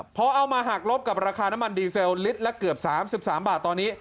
พอเอามาหักลบกับราคาน้ำมันดีเซลลิตรละเกือบ๓๓บาทตอนนี้